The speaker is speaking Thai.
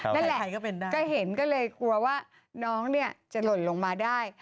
นั่นแหละก็เห็นก็เลยกลัวว่าน้องเนี่ยจะหล่นลงมาได้